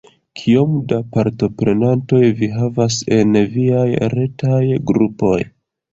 Kiom da partoprenantoj vi havas en viaj retaj grupoj?